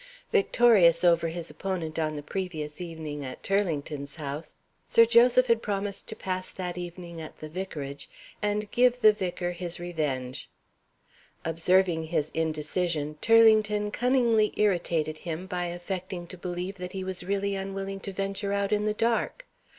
Victorious over his opponent on the previous evening at Turlington's house, Sir Joseph had promised to pass that evening at the vicarage, and give the vicar his revenge. Observing his indecision, Turlington cunningly irritated him by affecting to believe that he was really unwilling to venture out in the dark.